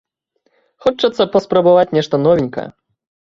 Хочацца паспрабаваць нешта новенькае!